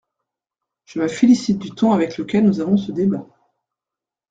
Je me félicite du ton avec lequel nous avons ce débat.